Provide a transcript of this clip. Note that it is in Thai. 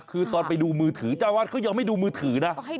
คือตอนไปดูมือถือเจ้าวาดเขายอมให้ดูมือถือนะ